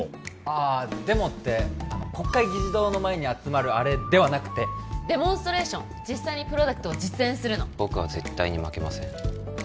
ああデモって国会議事堂の前に集まるあれではなくてデモンストレーション実際にプロダクトを実演するの僕は絶対に負けません